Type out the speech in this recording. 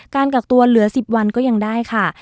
การกักตัวเหลือ๑๐วันก็ยังได้ค่ะ